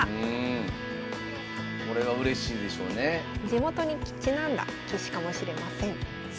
地元にちなんだ棋士かもしれません。